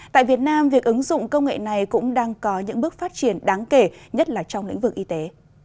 tại việt nam việc ứng dụng công nghệ này cũng đang có những bước phát triển đáng kể nhất là trong lĩnh vực y tế